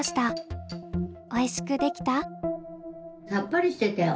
おいしくできた？